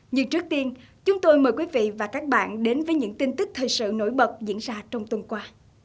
nhưng trước tiên chúng tôi mời quý vị và các bạn đến với những tin tức thời sự nổi bật diễn ra trong tuần qua